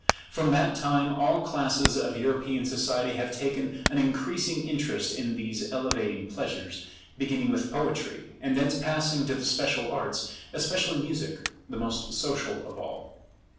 From that time all classes of European society have taken an increasing interest in these elevating pleasures, beginning with poetry, and thence passing to the special arts, especially music, the most social of all.